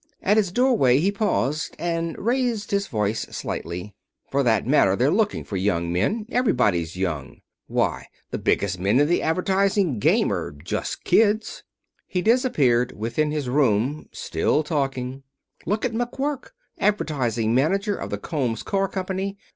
At his doorway he paused and raised his voice slightly: "For that matter, they're looking for young men. Everybody's young. Why, the biggest men in the advertising game are just kids." He disappeared within his room, still talking. "Look at McQuirk, advertising manager of the Combs Car Company.